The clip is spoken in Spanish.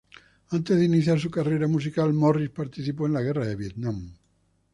Antes de iniciar su carrera musical, Morris participó en la Guerra de Vietnam.